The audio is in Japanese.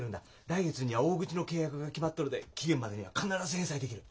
来月には大口の契約が決まっとるで期限までには必ず返済できる。